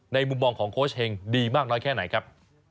มุมมองของโค้ชเฮงดีมากน้อยแค่ไหนครับ